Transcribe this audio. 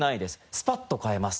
スパッと代えます。